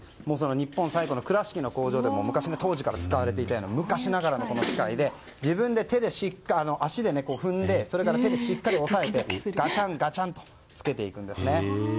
日本最古の倉敷の工場でも昔から使われていた昔ながらの機械で自分の足で踏んでそれから手でしっかり押さえてガチャンとつけていくんですね。